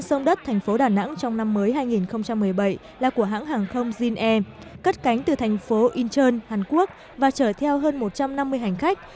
sông đất thành phố đà nẵng trong năm mới hai nghìn một mươi bảy là của hãng hàng không jean air cất cánh từ thành phố incheon hàn quốc và chở theo hơn một trăm năm mươi hành khách